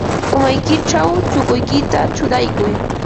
Umaykićhaw chukuykita churaykuy.